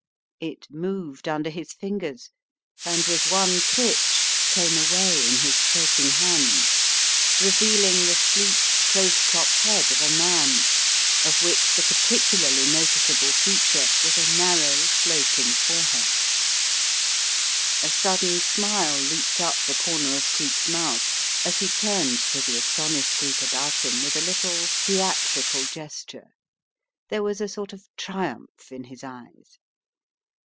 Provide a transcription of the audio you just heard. It moved under his fingers and with one twitch came 126 The Riddle of the Purple Emperor away in his shaking hand, revealing the sleek, close cropped head of a man, of which the particularly noticeable feature was a narrow, sloping forehead. A sudden smile looped up the corner of Cleek's mouth as he turned to the astonished group about him with a little theatrical gesture. There was a sort of triumph in his eyes.